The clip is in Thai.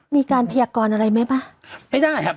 มีการเพียกก่อนอะไรไหมฮะ